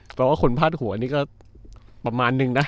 เพราะว่าคนพาดหัวนี่ก็ประมาณนึงนะ